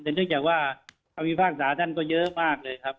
แต่เนื่องจากว่าความมีภาคสาที่นั้นก็เยอะมากเลยครับ